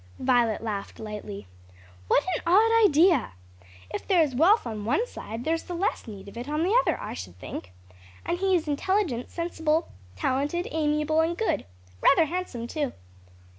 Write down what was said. Violet laughed lightly. "What an odd idea! If there is wealth on one side, there's the less need of it on the other, I should think. And he is intelligent, sensible, talented, amiable and good; rather handsome too."